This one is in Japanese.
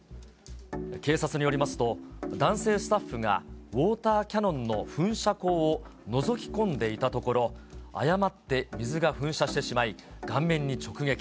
警察によりますと、男性スタッフがウォーターキャノンの噴射口をのぞき込んでいたところ、誤って水が噴射してしまい、顔面に直撃。